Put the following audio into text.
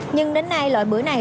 nhưng đến nay loại bưởi này